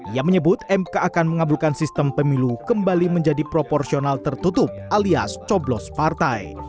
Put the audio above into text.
ia menyebut mk akan mengabulkan sistem pemilu kembali menjadi proporsional tertutup alias coblos partai